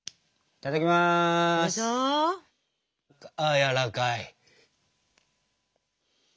やわらかい。